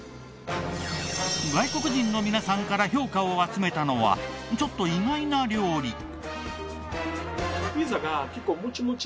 外国人の皆さんから評価を集めたのはちょっと意外な料理。